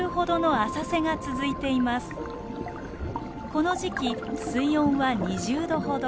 この時期水温は２０度ほど。